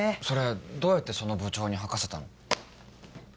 それどうやってその部長に吐かせたの？